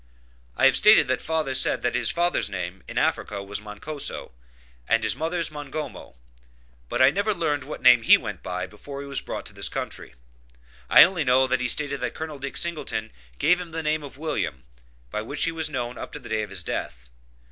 I have stated that father said that his father's name in Africa was Moncoso, and his mother's Mongomo, but I never learned what name he went by before he was brought to this country. I only know that he stated that Col. Dick Singleton gave him the name of William, by which he was known up to the day of his death.